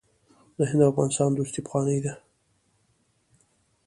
د هند او افغانستان دوستي پخوانۍ ده.